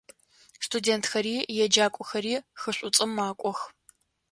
Студентхэри еджакӏохэри хы Шӏуцӏэм макӏох.